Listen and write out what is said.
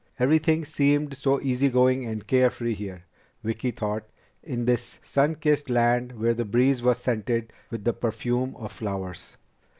Everything seemed so easygoing and carefree here, Vicki thought, in this sun kissed land where the breeze was scented with the perfume of flowers.